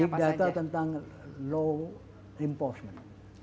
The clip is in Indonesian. ini data tentang law enforcement